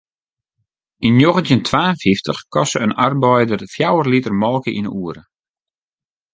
Yn njoggentjin twa en fyftich koste in arbeider fjouwer liter molke yn 'e oere.